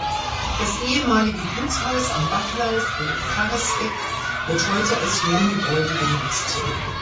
Das ehemalige Gutshaus am Bachlauf der Varresbeck wird heute als Wohngebäude genutzt.